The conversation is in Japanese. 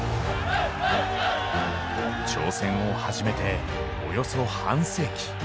挑戦を始めて、およそ半世紀。